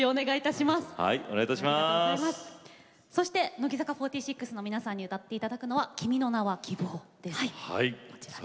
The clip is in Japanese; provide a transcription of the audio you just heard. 乃木坂４６の皆さんに歌っていただくのは「君の名は希望」です。